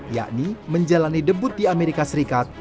yakni menjalani debut di amerika serikat